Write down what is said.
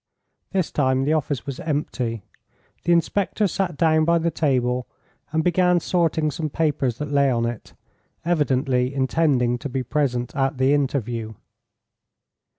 This time the office was empty. The inspector sat down by the table and began sorting some papers that lay on it, evidently intending to be present at the interview.